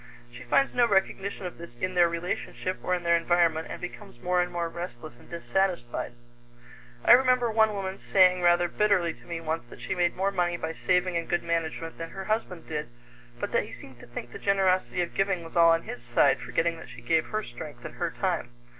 She finds no recognition of this in their relationship or in their environment and becomes more and more restless and dissatisfied. I remember one woman saying rather bitterly to me once that she made more money by saving and good management than her husband did, but that he seemed to think the generosity of giving was all on his side, forgetting that she gave her strength and her time.